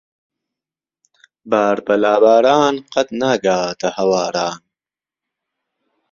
بار بە لاباران قەت ناگاتە ھەواران.